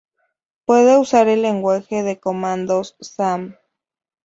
Puede usar el lenguaje de comandos Sam.